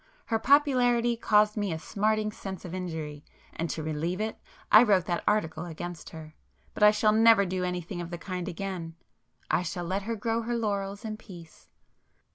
Her popularity caused me a smarting sense of injury, and to relieve it I wrote that article against her. But I shall never do anything of the kind again. I shall let her grow her laurels in peace."